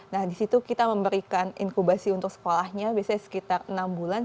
nah disitu kita memberikan inkubasi untuk sekolahnya biasanya sekitar enam bulan